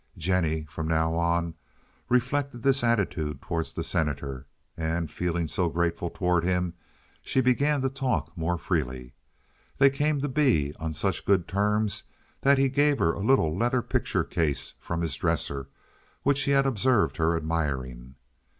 Jennie, from now on, reflected this attitude toward the Senator, and, feeling so grateful toward him, she began to talk more freely. They came to be on such good terms that he gave her a little leather picture case from his dresser which he had observed her admiring.